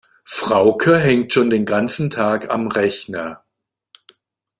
Frauke hängt schon den ganzen Tag am Rechner.